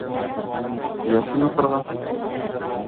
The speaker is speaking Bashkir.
Ясин уҡырға.